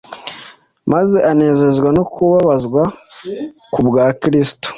maze anezezwa no kubabazwa ku bwa Kristo.